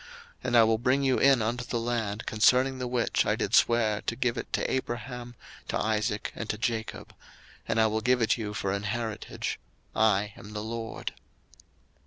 02:006:008 And I will bring you in unto the land, concerning the which I did swear to give it to Abraham, to Isaac, and to Jacob; and I will give it you for an heritage: I am the LORD.